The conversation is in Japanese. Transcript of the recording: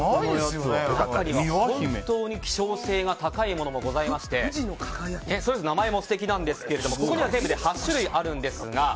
本当に希少性が高いものもございまして名前も素敵なんですがここには全部で８種類あるんですが。